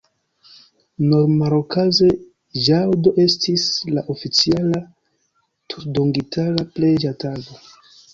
Normalokaze ĵaŭdo estis la oficiala tutdungitara preĝa tago.